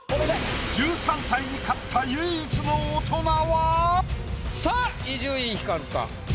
１３歳に勝った唯一の大人は⁉さあ伊集院光か？